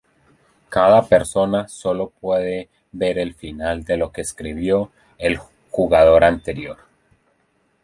Cada persona sólo puede ver el final de lo que escribió el jugador anterior.